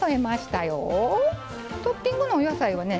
トッピングのお野菜はね